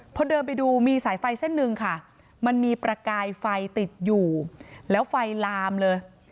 พอเดินไปดูมีสายไฟเส้นหนึ่งค่ะมันมีประกายไฟติดอยู่แล้วไฟลามเลย